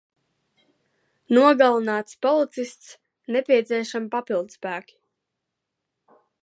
Nogalināts policists. Nepieciešami papildspēki.